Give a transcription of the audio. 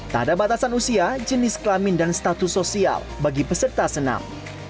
tak ada batasan usia jenis kelamin dan status sosial bagi peserta senam